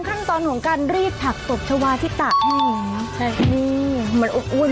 ขั้นตอนของการรีดผักตบชาวาที่ตัดให้เนี่ย